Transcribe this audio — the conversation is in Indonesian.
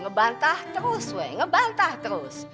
ngebantah terus weh ngebantah terus